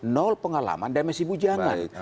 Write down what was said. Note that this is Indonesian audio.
nol pengalaman dan masih bujangan